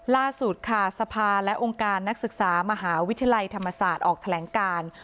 ล่าสุดค่ะสภาและองค์การนักศึกษามหาวิทยาลัยธรรมศาสตร์ออกแถลงการ